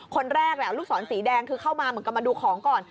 คนแรกแหละลูกศรสีแดงคือเข้ามาเหมือนกับมาดูของก่อน